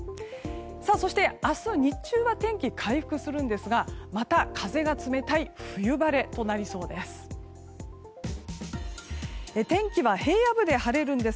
そして明日日中は天気、回復するんですがまた、風が冷たい冬晴れとなりそうです。